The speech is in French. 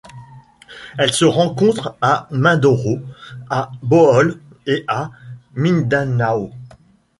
Elle se rencontre à Mindoro, à Bohol et à Mindanao.